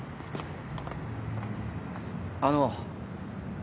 あの。